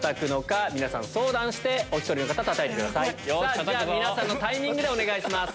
じゃ皆さんのタイミングでお願いします。